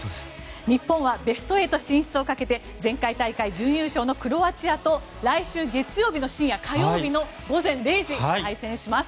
日本はベスト８進出をかけて前回大会準優勝のクロアチアと来週月曜日の深夜火曜日の午前０時に対戦します。